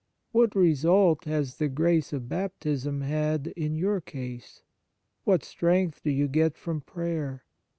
What result has the grace of Baptism had in your case ? What strength do # you get from prayer